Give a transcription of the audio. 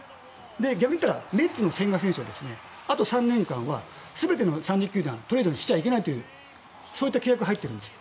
逆にメッツの千賀選手はあと３年間は全ての３０球団トレードしてはいけないという契約が入っています。